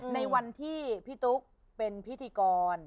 ในวันที่พี่ตุ๊กเป็นพิธีกร